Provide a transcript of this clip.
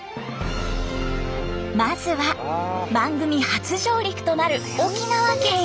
まずは番組初上陸となる沖縄県へ。